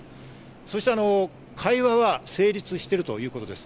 そして会話は成立しているということです。